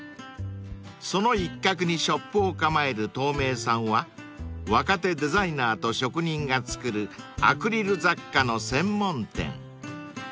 ［その一角にショップを構えるｔｏｕｍｅｉさんは若手デザイナーと職人が作るアクリル雑貨の専門店］